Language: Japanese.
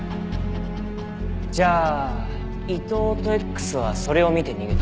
じゃあ伊藤とＸはそれを見て逃げた。